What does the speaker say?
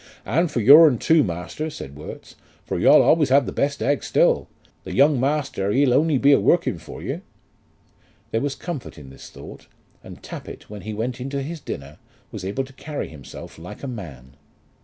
"And for your'n too, master," said Worts, "for yeu'll allays have the best egg still. The young master, he'll only be a working for yeu." There was comfort in this thought; and Tappitt, when he went into his dinner, was able to carry himself like a man.